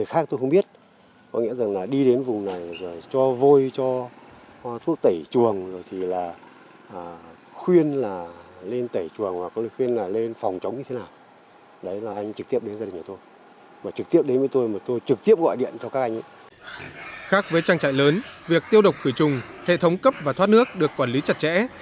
khác với trang trại lớn việc tiêu độc cử trùng hệ thống cấp và thoát nước được quản lý chặt chẽ